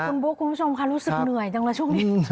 คุณบุ๊คคุณผู้ชมค่ะรู้สึกเหนื่อยจังเลยช่วงนี้